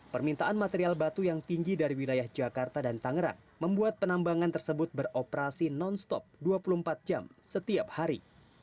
permintaan material batu yang tinggi dari wilayah jakarta dan tangerang membuat penambangan tersebut beroperasi non stop dua puluh empat jam setiap hari